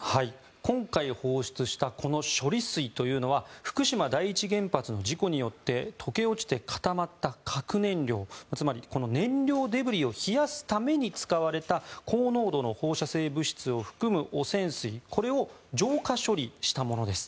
今回、放出したこの処理水というのは福島第一原発の事故によって溶け落ちて固まった核燃料この燃料デブリを冷やすために使われた高濃度の放射性物質を含む汚染水これを浄化処理したものです。